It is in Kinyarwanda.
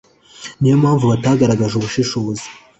Ni yo mpamvu batagaragaje ubushishozi